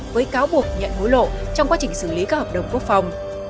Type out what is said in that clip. với cáo buộc nhận hối lộ trong quá trình xử lý các hợp đồng quốc phòng